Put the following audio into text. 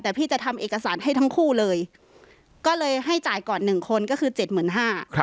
แต่พี่จะทำเอกสารให้ทั้งคู่เลยก็เลยให้จ่ายก่อนหนึ่งคนก็คือเจ็ดหมื่นห้า